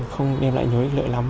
không đem lại nhớ lợi lắm